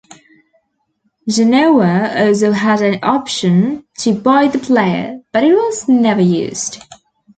Genoa also had an option to buy the player, but it was never used.